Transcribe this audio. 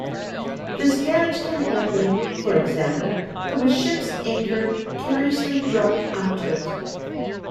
This damage can happen, for example, from a ship's anchor carelessly dropped onto it.